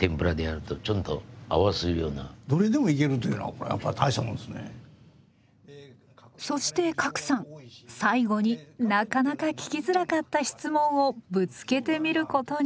ここの酒っていうのはそして加来さん最後になかなか聞きづらかった質問をぶつけてみることに。